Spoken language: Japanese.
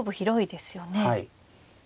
はい。